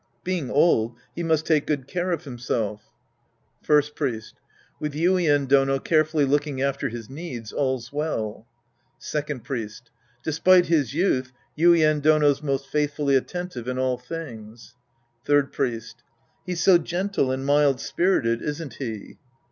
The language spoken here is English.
Being old, he must take good care of himself Act II The Priest and His Disciples ei First Priest. With Yuien Dono carefully looking after his needs, all's well. Second Priest. Despite his youth, Yuien Dono's most faithfully attentive in all things. Third Priest. He's so gentle and mild spirited, isn't he